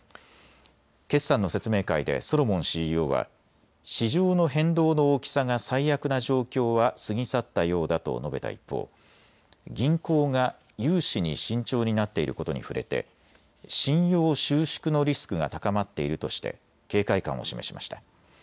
決算の説明会でソロモンＣＥＯは市場の変動の大きさが最悪な状況は過ぎ去ったようだと述べた一方、銀行が融資に慎重になっていることに触れて信用収縮のリスクが高まっているとして警戒感を示しました。